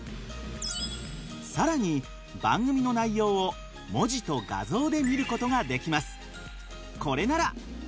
更に番組の内容を文字と画像で見ることができます。